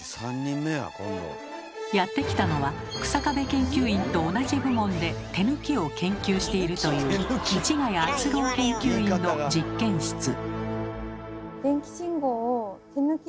やって来たのは日下部研究員と同じ部門で「手抜き」を研究しているという市ヶ谷敦郎研究員の実験室。